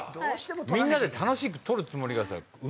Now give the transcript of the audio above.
みんなで楽しく撮るつもりが。